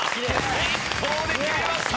１投で決めました！